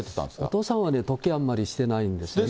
お父さんはね、時計はあんまりしてないんですよね。